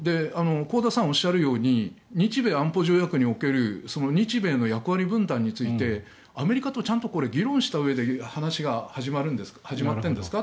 香田さんがおっしゃるように日米安保条約における日米の役割分担についてアメリカとちゃんと議論したうえで話が始まってるんですか？